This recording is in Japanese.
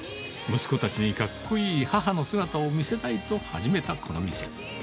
息子たちにかっこいい母の姿を見せたいと始めたこの店。